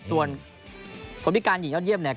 ส่วนคนพิการหญิงยอดเยี่ยมเนี่ย